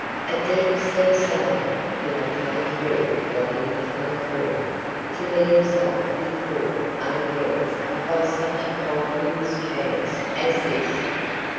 A deep sea sailor, who had come through what he had come through, to let himself be caught unawares by such a paltry mischance as this!